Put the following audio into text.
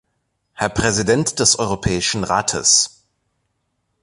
Herr Präsident des Europäischen Rates!